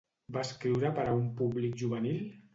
Va escriure per a un públic juvenil?